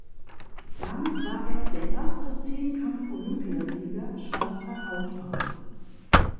Damit war er der erste Zehnkampf-Olympiasieger schwarzer Hautfarbe.